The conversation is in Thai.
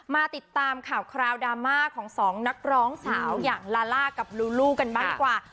มาติดตามข่าวคราวดราม่าของสองนักร้องสาวอย่างลาล่ากับลูลูกันบ้างดีกว่า